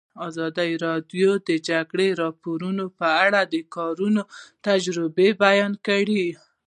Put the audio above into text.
ازادي راډیو د د جګړې راپورونه په اړه د کارګرانو تجربې بیان کړي.